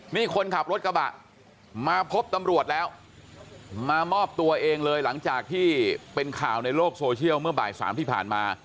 นี่คนขับรถกระบะมาพบตำรวจแล้วมามอบตัวเองเลยหลังจากที่เป็นข่าวในโลกโซเชียลเมื่อบ่ายสามที่ผ่านมา